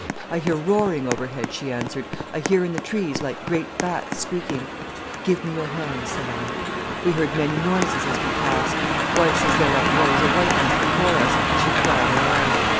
"'I hear roaring overhead,' she answered. 'I hear in the trees like great bats squeaking.' "'Give me your hand,' said I. "We heard many noises as we passed. Once as there uprose a whiteness before us, she cried aloud.